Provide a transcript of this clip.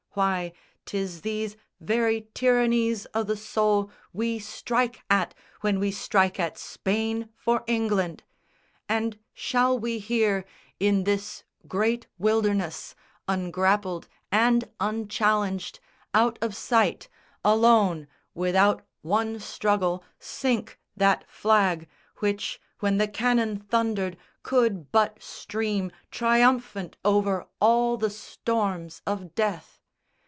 Why, 'tis these very tyrannies o' the soul We strike at when we strike at Spain for England; And shall we here, in this great wilderness, Ungrappled and unchallenged, out of sight, Alone, without one struggle, sink that flag Which, when the cannon thundered, could but stream Triumphant over all the storms of death.